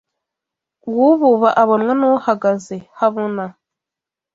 Uwububa abonwa n'uhagaze habona